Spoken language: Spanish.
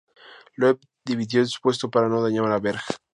Loeb dimitió de su puesto para no dañar a Berg.